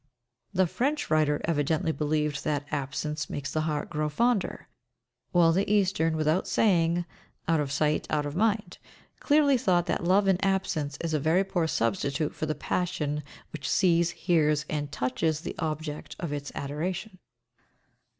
The French writer evidently believed that "Absence makes the heart grow fonder," while the Eastern, without saying, "Out of sight, out of mind," clearly thought that love in absence is a very poor substitute for the passion which sees, hears, and touches the object of its adoration.